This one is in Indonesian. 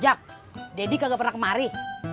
jak daddy gak pernah kemari